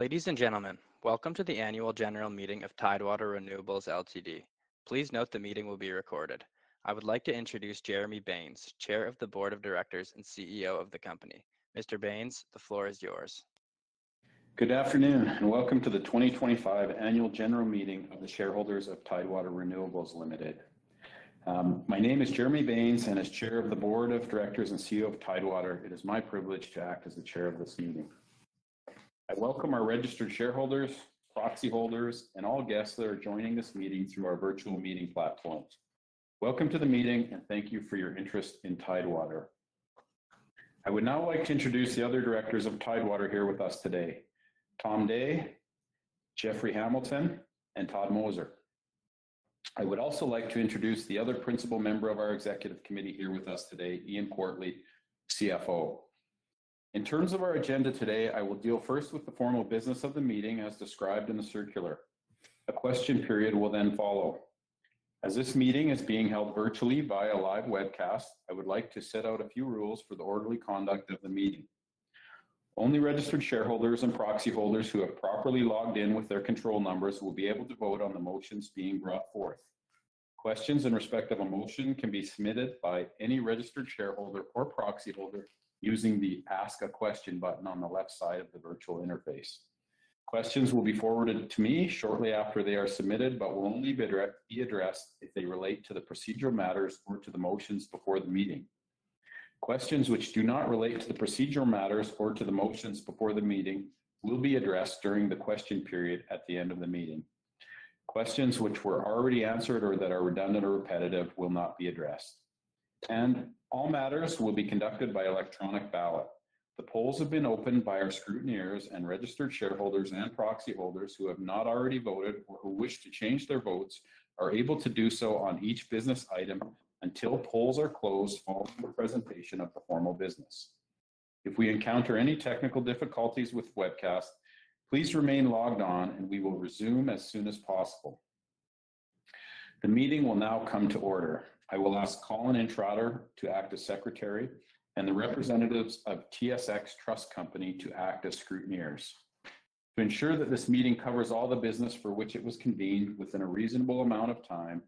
Ladies and gentlemen, welcome to the Annual General Meeting of Tidewater Renewables Ltd. Please note the meeting will be recorded. I would like to introduce Jeremy Baines, Chair of the Board of Directors and CEO of the company. Mr. Baines, the floor is yours. Good afternoon and welcome to the 2025 annual general meeting of the shareholders of Tidewater Renewables Ltd. My name is Jeremy Baines, and as Chair of the Board of Directors and CEO of Tidewater, it is my privilege to act as the Chair of this meeting. I welcome our registered shareholders, proxy holders, and all guests that are joining this meeting through our virtual meeting platforms. Welcome to the meeting, and thank you for your interest in Tidewater. I would now like to introduce the other directors of Tidewater here with us today: Tom Dea, Jeffrey Hamilton, and Todd Moser. I would also like to introduce the other principal member of our executive committee here with us today, Ian Quartly, CFO. In terms of our agenda today, I will deal first with the formal business of the meeting as described in the circular. A question period will then follow. As this meeting is being held virtually via live webcast, I would like to set out a few rules for the orderly conduct of the meeting. Only registered shareholders and proxy holders who have properly logged in with their control numbers will be able to vote on the motions being brought forth. Questions in respect of a motion can be submitted by any registered shareholder or proxy holder using the Ask a Question button on the left side of the virtual interface. Questions will be forwarded to me shortly after they are submitted but will only be addressed if they relate to the procedural matters or to the motions before the meeting. Questions which do not relate to the procedural matters or to the motions before the meeting will be addressed during the question period at the end of the meeting. Questions which were already answered or that are redundant or repetitive will not be addressed. All matters will be conducted by electronic ballot. The polls have been opened by our scrutineers, and registered shareholders and proxy holders who have not already voted or who wish to change their votes are able to do so on each business item until polls are closed following the presentation of the formal business. If we encounter any technical difficulties with webcast, please remain logged on, and we will resume as soon as possible. The meeting will now come to order. I will ask Collin Intrater to act as Secretary and the representatives of TSX Trust Company to act as scrutineers. To ensure that this meeting covers all the business for which it was convened within a reasonable amount of time,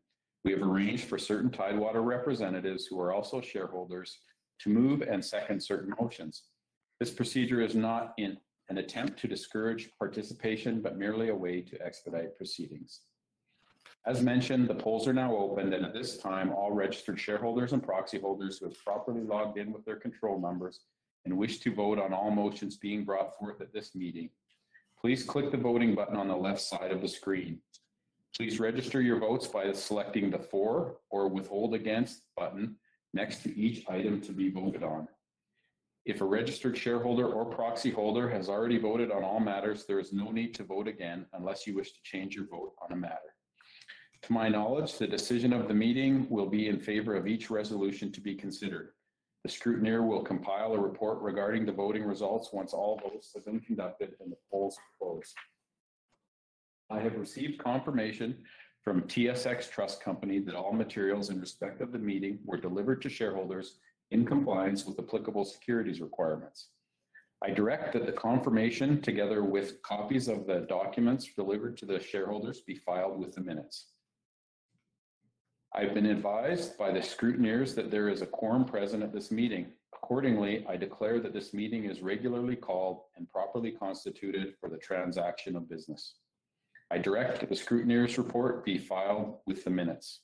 we have arranged for certain Tidewater representatives who are also shareholders to move and second certain motions. This procedure is not an attempt to discourage participation but merely a way to expedite proceedings. As mentioned, the polls are now opened, and at this time, all registered shareholders and proxy holders who have properly logged in with their control numbers and wish to vote on all motions being brought forth at this meeting, please click the voting button on the left side of the screen. Please register your votes by selecting the For or Withhold Against button next to each item to be voted on. If a registered shareholder or proxy holder has already voted on all matters, there is no need to vote again unless you wish to change your vote on a matter. To my knowledge, the decision of the meeting will be in favor of each resolution to be considered. The scrutineer will compile a report regarding the voting results once all votes have been conducted and the polls are closed. I have received confirmation from TSX Trust Company that all materials in respect of the meeting were delivered to shareholders in compliance with applicable securities requirements. I direct that the confirmation, together with copies of the documents delivered to the shareholders, be filed within minutes. I have been advised by the scrutineers that there is a quorum present at this meeting. Accordingly, I declare that this meeting is regularly called and properly constituted for the transaction of business. I direct that the scrutineer's report be filed within minutes.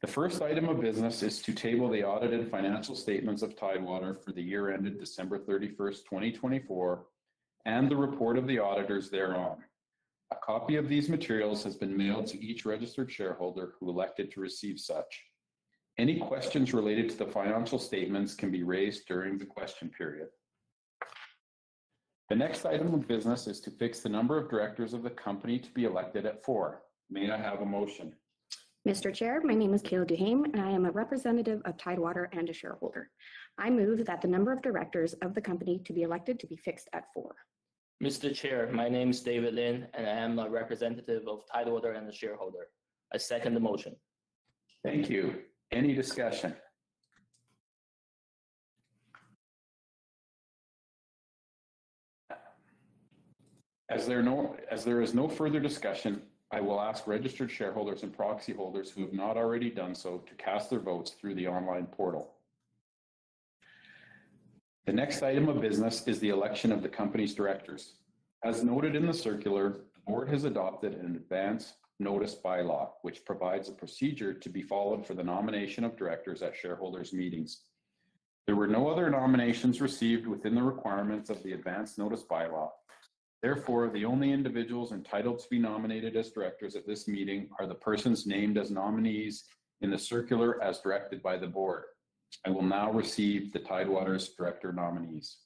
The first item of business is to table the audited financial statements of Tidewater Renewables for the year ended December 31, 2024, and the report of the auditors thereon. A copy of these materials has been mailed to each registered shareholder who elected to receive such. Any questions related to the financial statements can be raised during the question period. The next item of business is to fix the number of directors of the company to be elected at four. May I have a motion? Mr. Chair, my name is Kayla Duhaime, and I am a representative of Tidewater and a shareholder. I move that the number of directors of the company to be elected to be fixed at four. Mr. Chair, my name is David Lin, and I am a representative of Tidewater and a shareholder. I second the motion. Thank you. Any discussion? As there is no further discussion, I will ask registered shareholders and proxy holders who have not already done so to cast their votes through the online portal. The next item of business is the election of the company's directors. As noted in the circular, the board has adopted an advance notice bylaw, which provides a procedure to be followed for the nomination of directors at shareholders' meetings. There were no other nominations received within the requirements of the advance notice bylaw. Therefore, the only individuals entitled to be nominated as directors at this meeting are the persons named as nominees in the circular as directed by the board. I will now receive the Tidewater's director nominees.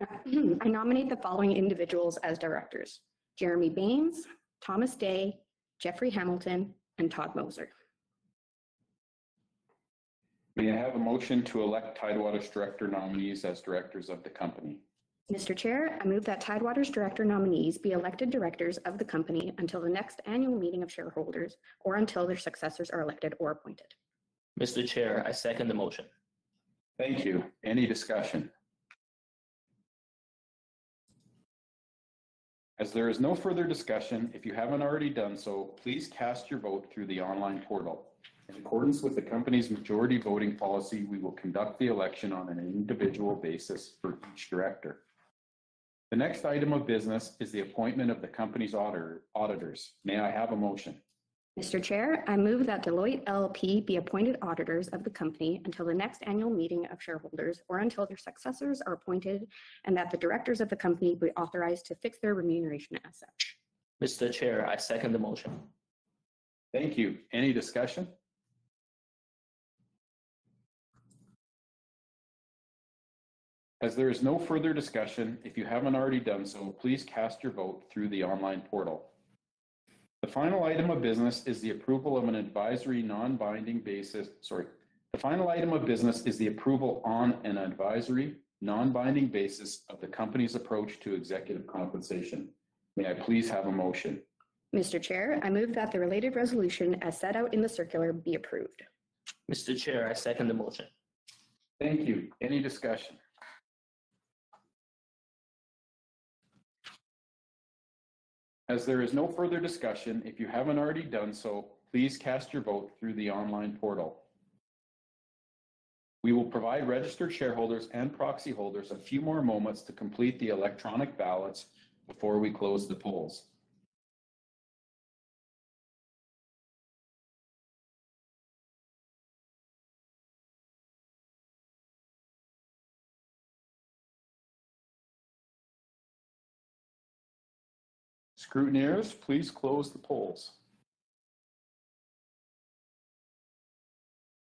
I nominate the following individuals as directors: Jeremy Baines, Thomas Dea, Jeffrey Hamilton, and Todd Moser. May I have a motion to elect Tidewater's director nominees as directors of the company? Mr. Chair, I move that Tidewater's director nominees be elected directors of the company until the next annual meeting of shareholders or until their successors are elected or appointed. Mr. Chair, I second the motion. Thank you. Any discussion? As there is no further discussion, if you haven't already done so, please cast your vote through the online portal. In accordance with the company's majority voting policy, we will conduct the election on an individual basis for each director. The next item of business is the appointment of the company's auditors. May I have a motion? Mr. Chair, I move that Deloitte LLP be appointed auditors of the company until the next annual meeting of shareholders or until their successors are appointed and that the directors of the company be authorized to fix their remuneration as such. Mr. Chair, I second the motion. Thank you. Any discussion? As there is no further discussion, if you haven't already done so, please cast your vote through the online portal. The final item of business is the approval on an advisory non-binding basis—sorry. The final item of business is the approval on an advisory non-binding basis of the company's approach to executive compensation. May I please have a motion? Mr. Chair, I move that the related resolution as set out in the circular be approved. Mr. Chair, I second the motion. Thank you. Any discussion? As there is no further discussion, if you have not already done so, please cast your vote through the online portal. We will provide registered shareholders and proxy holders a few more moments to complete the electronic ballots before we close the polls. Scrutineers, please close the polls.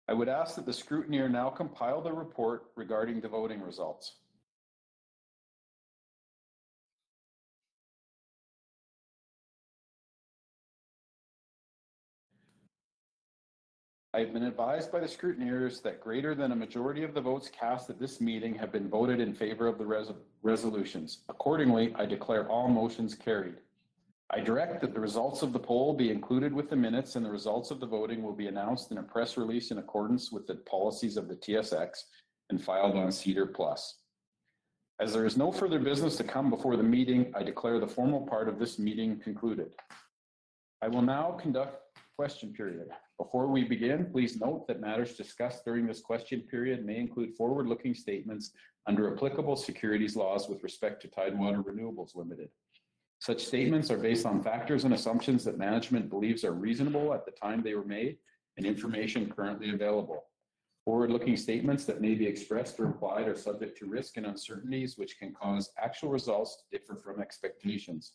I would ask that the scrutineer now compile the report regarding the voting results. I have been advised by the scrutineers that greater than a majority of the votes cast at this meeting have been voted in favor of the resolutions. Accordingly, I declare all motions carried. I direct that the results of the poll be included with the minutes, and the results of the voting will be announced in a press release in accordance with the policies of the TSX and filed on SEDAR+. As there is no further business to come before the meeting, I declare the formal part of this meeting concluded. I will now conduct the question period. Before we begin, please note that matters discussed during this question period may include forward-looking statements under applicable securities laws with respect to Tidewater Renewables Ltd. Such statements are based on factors and assumptions that management believes are reasonable at the time they were made and information currently available. Forward-looking statements that may be expressed or implied are subject to risk and uncertainties, which can cause actual results to differ from expectations.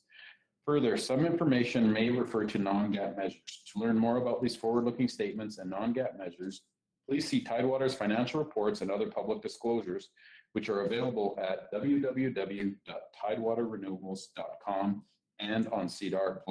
Further, some information may refer to non-GAAP measures. To learn more about these forward-looking statements and non-GAAP measures, please see Tidewater's financial reports and other public disclosures, which are available at www.tidewaterrenewables.com and on SEDAR+.